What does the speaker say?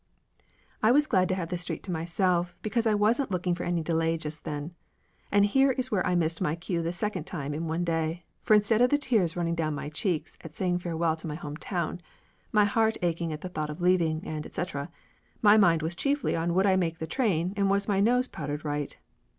I was glad to have the street to myself because I wasn't looking for any delay just then. And here is where I missed my cue the second time in one day, for instead of the tears running down my cheeks at saying farewell to my home town, my heart aching at the thought of leaving, and etcetera, my mind was chiefly on would I make the train and was my nose powdered right?